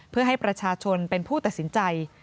เพื่อให้ประชาชนเป็นผู้ตัดสินใจ